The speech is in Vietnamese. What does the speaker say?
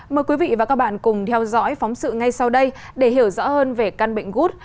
mời quý vị và các bạn cùng theo dõi phóng sự ngay sau đây để hiểu rõ hơn về căn bệnh gút